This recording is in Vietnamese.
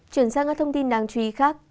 chuyển sang các thông tin đáng chú ý khác